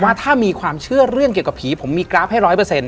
ว่าถ้ามีความเชื่อเรื่องเกี่ยวกับผีผมมีกราฟให้๑๐๐